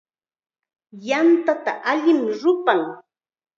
Yantata allim rupan.